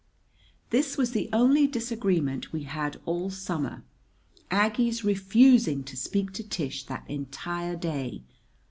This was the only disagreement we had all summer: Aggie's refusing to speak to Tish that entire day.